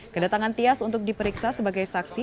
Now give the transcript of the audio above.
kedatangan tias untuk diperiksa sebagai saksi